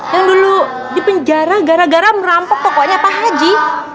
yang dulu dipenjara gara gara merampok toko nya pak haji